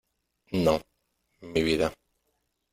no , mi vida .